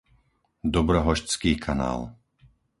Dobrohošťský kanál